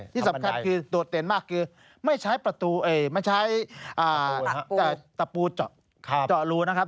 ที่สำคัญคือโดดเตรียมมากคือไม่ใช้ตะปูเจาะรูนะครับ